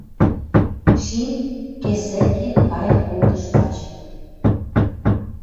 Шим кӹсӹкин кайын колтыш пач.